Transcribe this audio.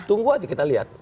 tunggu aja kita lihat